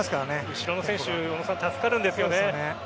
後ろの選手、助かるんですよね。